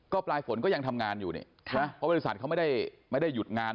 ปลายฝนก็ยังทำงานอยู่นี่เพราะบริษัทเขาไม่ได้หยุดงาน